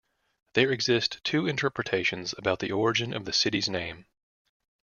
There exist two interpretations about the origin of the city's name.